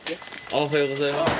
おはようございます。